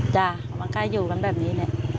ใช่มันก็อยู่มันแบบนี้